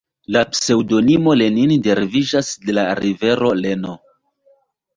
La pseŭdonimo Lenin deriviĝas de la rivero Leno.